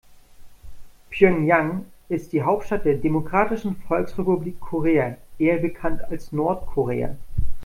Pjöngjang ist die Hauptstadt der Demokratischen Volksrepublik Korea, eher bekannt als Nordkorea.